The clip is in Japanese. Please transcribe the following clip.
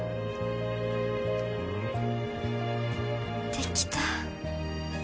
できた。